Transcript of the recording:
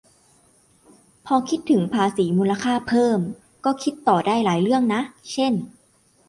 พอคิดถึงภาษีมูลค่าเพิ่ม ก็คิดต่อได้หลายเรื่องนะ เช่น